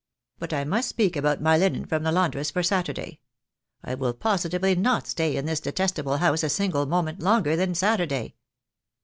But I must speak about my hnen from the laundress for Saturday. I will positively not stay in this detestable house a single moment longer than Saturday."